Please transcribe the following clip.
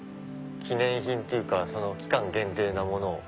記念品っていうか期間限定なものを。